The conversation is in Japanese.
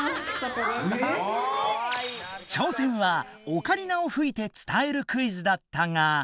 挑戦はオカリナを吹いて伝えるクイズだったが。